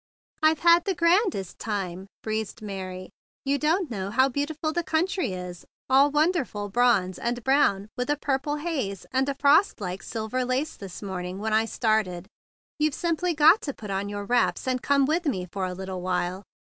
"I've had the grandest time!" breezed Mary gayly. "You don't know how beautiful the country is, all wonderful bronze and brown with a purple haze, and a frost like silver lace this morning when I started. You've simply got to put on your wraps and come with me for a little while.